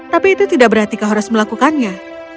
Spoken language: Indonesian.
tapi itu tidak berarti kau harus melakukannya